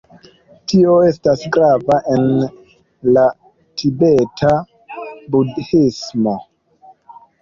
Tio estas grava en la Tibeta Budhismo.